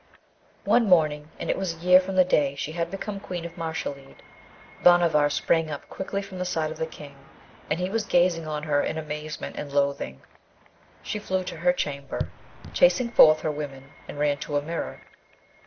One morning, and it was a year from the day she had become Queen of Mashalleed, Bhanavar sprang up quickly from the side of the King; and he was gazing on her in amazement and loathing. She flew to her chamber, chasing forth her women, and ran to a mirror.